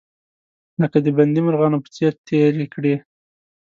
لکه د بندي مرغانو په څیر تیرې کړې.